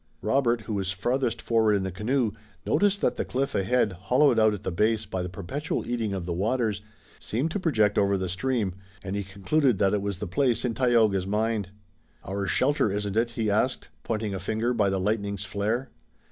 Robert, who was farthest forward in the canoe, noticed that the cliff ahead, hollowed out at the base by the perpetual eating of the waters, seemed to project over the stream, and he concluded that it was the place in Tayoga's mind. "Our shelter, isn't it?" he asked, pointing a finger by the lightning's flare.